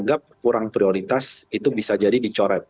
dianggap kurang prioritas itu bisa jadi dicoret